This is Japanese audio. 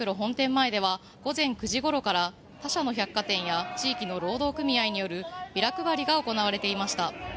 前では午前９時ごろから他社の百貨店や地域の労働組合によるビラ配りが行われていました。